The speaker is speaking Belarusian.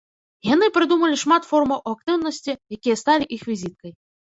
Яны прыдумалі шмат формаў актыўнасці, якія сталі іх візіткай.